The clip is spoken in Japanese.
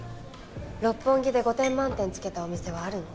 六本木で５点満点つけたお店はあるの？